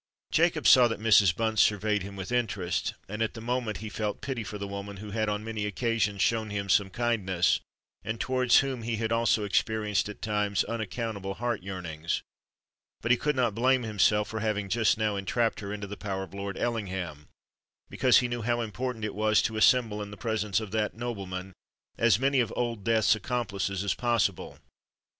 Jacob saw that Mrs. Bunce surveyed him with interest; and at the moment he felt pity for the woman who had on many occasions shown him some kindness, and towards whom he had also experienced at times unaccountable heart yearnings;—but he could not blame himself for having just now entrapped her into the power of Lord Ellingham, because he knew how important it was to assemble in the presence of that nobleman as many of Old Death's accomplices as possible.